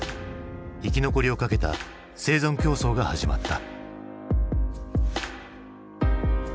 生き残りをかけた生存競争が始まった。